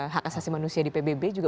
hak asasi manusia di pbb juga